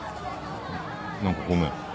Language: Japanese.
何かごめん。